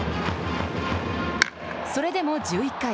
それでも、１１回。